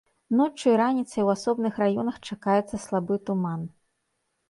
Ноччу і раніцай у асобных раёнах чакаецца слабы туман.